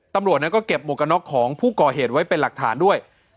ตำรวจนั้นก็เก็บหมวกกระน็อกของผู้ก่อเหตุไว้เป็นหลักฐานด้วย